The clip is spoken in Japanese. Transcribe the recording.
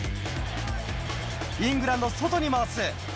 イングランド、外に回す。